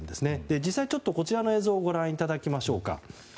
実際、こちらの映像をご覧いただきましょう。